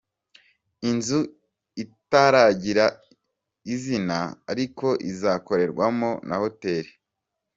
Inzu itaragira izina ariko izakorerwamo na Hotel.